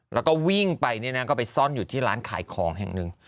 แล้วก็วิ่งไปซ่อนอยู่ที่ร้านขายของแห่งหนึ่ง